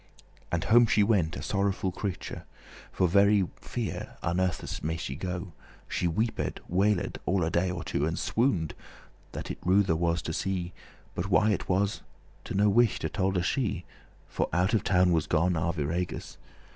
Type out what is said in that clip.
And home she went a sorrowful creature; For very fear unnethes* may she go. *scarcely She weeped, wailed, all a day or two, And swooned, that it ruthe was to see: But why it was, to no wight tolde she, For out of town was gone Arviragus.